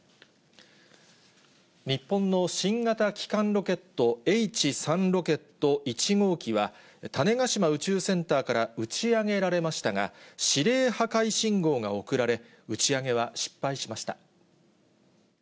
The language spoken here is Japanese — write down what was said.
日本の新型基幹ロケット、Ｈ３ロケット１号機は、種子島宇宙センターから打ち上げられましたが、指令破壊信号が送られ、打ち上げは失敗しました。